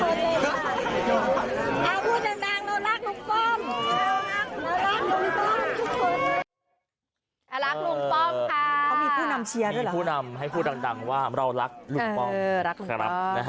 รักลูกป้อมค่ะเขามีผู้นำเชียร์ด้วยเหรอมีผู้นำให้พูดดังว่าเรารักลูกป้อมเออรักลูกป้อมนะฮะ